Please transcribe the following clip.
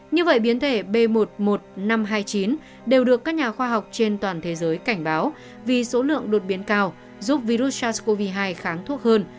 như vậy biến thể b một mươi một năm trăm hai mươi chín đều được các nhà khoa học trên toàn thế giới cảnh báo vì số lượng đột biến cao giúp virus sars cov hai kháng thuốc hơn